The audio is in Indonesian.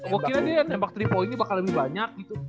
gue kira dia yang nembak triple o ini bakal lebih banyak gitu